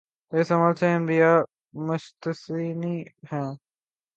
اس عمل سے انبیا مستثنی ہیں۔